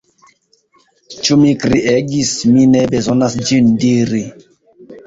Ĉu mi kriegis, mi ne bezonas ĝin diri.